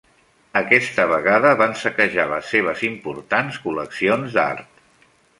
Aquesta vegada van saquejar les seves importants col·leccions d'art.